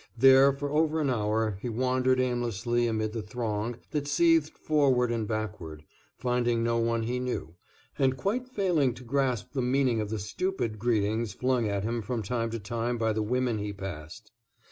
There, for over an hour, he wandered aimlessly amid the throng that seethed forward and backward, finding no one he knew, and quite failing to grasp the meaning of the stupid greetings flung at him from time to time by the women he passed.